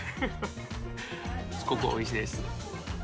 すごくおいしいです。